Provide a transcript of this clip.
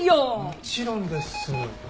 もちろんです。